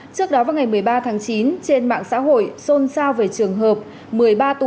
trước đó vào ngày một mươi ba tháng chín trên mạng xã hội xôn xao về trường hợp một mươi ba tuổi